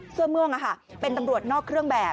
เสื้อเมืองอ่ะค่ะเป็นตำรวจนอกเครื่องแบบ